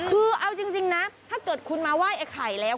คือเอาจริงนะถ้าเกิดคุณมาไหว้ไอ้ไข่แล้ว